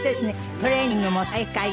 トレーニングも再開。